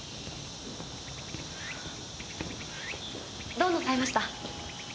どうなさいました？